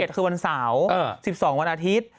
คือวันเสาร์๑๒วันอาทิตย์